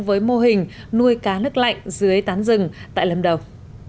với mô hình nuôi cá nước lạnh dưới tán rừng tại lâm đồng